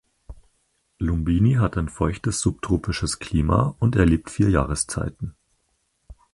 Lumbini hat ein feuchtes subtropisches Klima und erlebt vier Jahreszeiten.